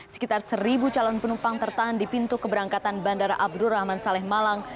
sekitar seribu calon penumpang tertahan di pintu keberangkatan bandara abdurrahman saleh malang